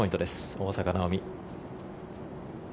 大坂なおみ。